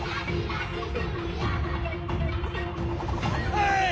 おい！